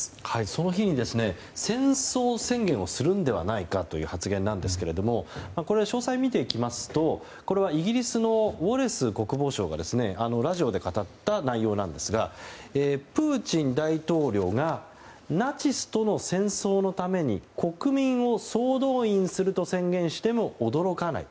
その日に戦争宣言をするのではないかという発言ですが詳細を見ていきますとこれはイギリスのウォレス国防相がラジオで語った内容なんですがプーチン大統領がナチスとの戦争のために国民を総動員すると宣言しても驚かない。